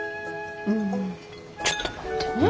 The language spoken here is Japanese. んちょっと待ってね。